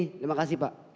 terima kasih pak